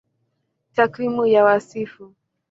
Takwimu ya Wasifu